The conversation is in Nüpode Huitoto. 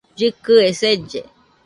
Llɨkɨe selle